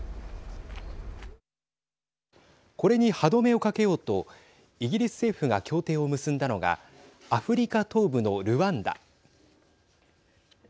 これに歯止めをかけようとイギリス政府が協定を結んだのがアフリカ東部のルワンダ。